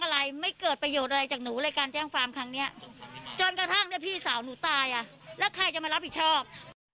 แล้วใครจะมารับผิดชอบ